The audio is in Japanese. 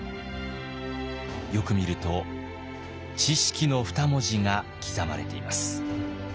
よく見ると「知識」の２文字が刻まれています。